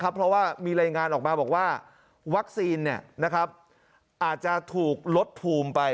เพราะว่ามีรายงานออกมาบอกว่าวัคซีนอาจจะถูกลดภูมิไป